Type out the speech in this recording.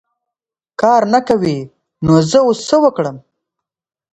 کار نه کوې ! نو زه اوس څه وکړم .